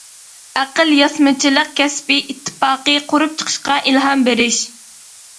ئاقىل ياسىمىچىلىق كەسپىي ئىتتىپاقى قۇرۇپ چىقىشقا ئىلھام بېرىش.